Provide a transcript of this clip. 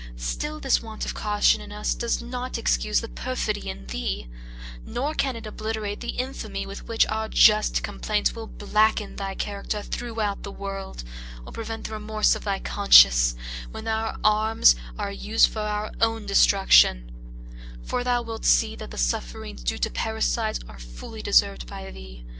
Still this want of caution in us does not excuse the perfidy in thee; nor can it obliterate the infamy with which our just complaints will blacken thy character throughout the world, or prevent the remorse of thy conscience, when our arms are used for our own destruction; for thou wilt see that the sufferings due to parricides are fully deserved by thee.